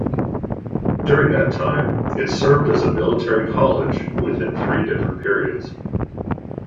During that time, it served as a military college within three different periods.